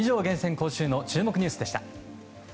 今週の注目ニュースでした。